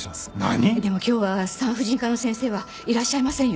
でも今日は産婦人科の先生はいらっしゃいませんよ。